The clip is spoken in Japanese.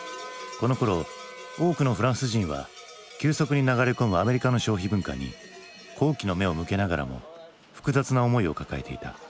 このころ多くのフランス人は急速に流れ込むアメリカの消費文化に好奇の目を向けながらも複雑な思いを抱えていた。